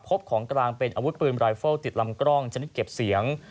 ของกลางเป็นอาวุธปืนรายเฟิลติดลำกล้องชนิดเก็บเสียง